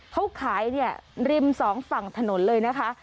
เขาขายเนี่ยริมสองฝั่งถนนเลยนะคะ